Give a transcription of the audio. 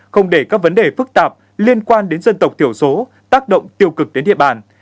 không để các vấn đề phức tạp liên quan đến dân tộc thiểu số tác động tiêu cực đến địa bàn